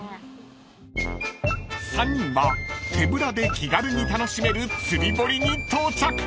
［３人は手ぶらで気軽に楽しめる釣り堀に到着］